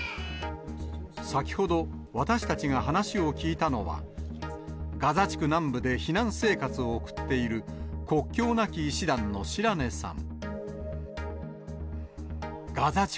先ほど、私たちが話を聞いたのは、ガザ地区南部で避難生活を送っている、国境なき医師団の白根さん。